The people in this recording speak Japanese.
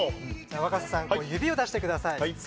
若狭さん、指を出してください。